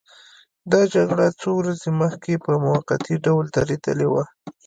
دا جګړه څو ورځې مخکې په موقتي ډول درېدلې وه.